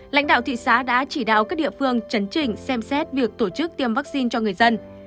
lãnh đạo thị xã đã chỉ đạo các địa phương chấn trình xem xét việc tổ chức tiêm vaccine cho người dân